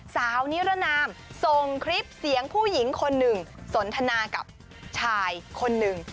สาวนิรนามส่งคลิปเสียงผู้หญิงคนหนึ่งสนทนากับชายคนหนึ่ง